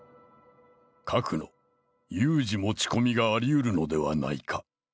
核の有事持ち込みがありうるのではないか。